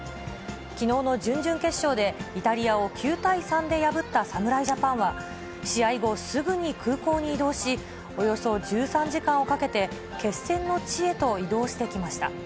きのうの準々決勝でイタリアを９対３で破った侍ジャパンは、試合後すぐに空港に移動し、およそ１３時間をかけて、決戦の地へと移動してきました。